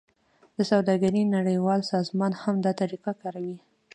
د سوداګرۍ نړیوال سازمان هم دا طریقه کاروي